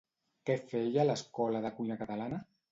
Què feia a l'Escola de Cuina Catalana?